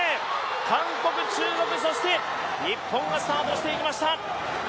韓国、中国、そして日本がスタートしていきました。